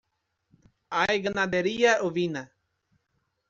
Hay ganadería ovina.